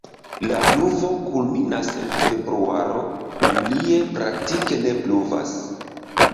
La pluvo kulminas en februaro, julie praktike ne pluvas.